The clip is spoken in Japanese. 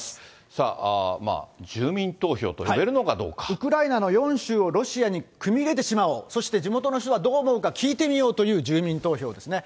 さあ、住民投票と呼べるのかウクライナの４州をロシアに組み入れてしまおう、そして地元の人がどう思うか聞いてみようという住民投票ですね。